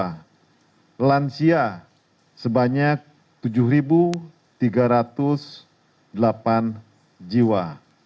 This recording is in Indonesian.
karena lansia sebanyak tujuh tiga ratus delapan jiwa